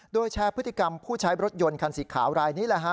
ด้วยแชร์พฤติกรรมผู้ใช้บริษัทยนต์คันสิทธิ์ขาวลายนี้ละฮะ